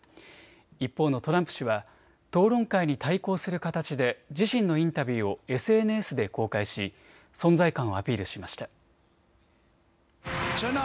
一方のトランプ氏は討論会に対抗する形で自身のインタビューをＳＮＳで公開し存在感をアピールしました。